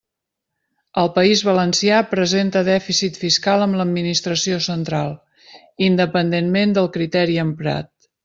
El País Valencià presenta dèficit fiscal amb l'administració central, independentment del criteri emprat.